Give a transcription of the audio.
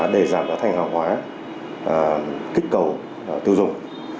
để giảm giá thành hàng hóa kích cầu tư dụng